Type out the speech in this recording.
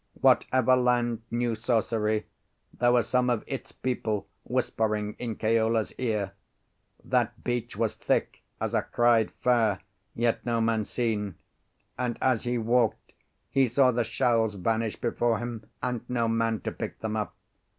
Whatever land knew sorcery, there were some of its people whispering in Keola's ear. That beach was thick as a cried fair, yet no man seen; and as he walked he saw the shells vanish before him, and no man to pick them up.